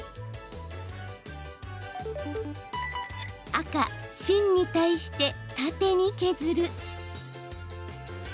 赤・芯に対して、タテに削る。